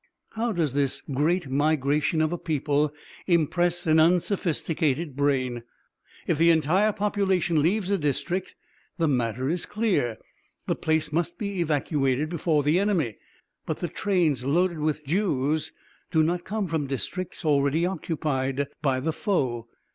How does this great migration of a people impress an unsophisticated brain? If the entire population leaves a district the matter is clear; the place must be evacuated before the enemy. But the trains loaded with Jews do not come from districts already occupied by the foe.